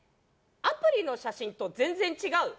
アプリの写真と全然違う。